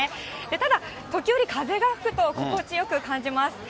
ただ、時折風が吹くと、心地よく感じます。